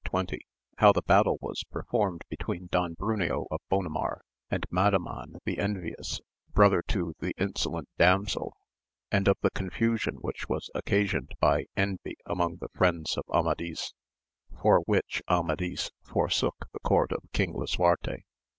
— How the battle was performed between Don Braneo of Bonamar, and Madaman the Enrious, brother to the Insolent Damsel, and of the confusion which was occa sioned by enyy among the friends of Amadis, for which Amadis forsook the court of Xing Lisuarte.